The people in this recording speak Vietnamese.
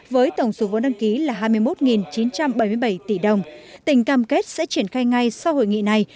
với tổng số vốn đăng ký là hai mươi một chín trăm bảy mươi bảy tỷ đồng tỉnh cam kết sẽ triển khai ngay sau hội nghị này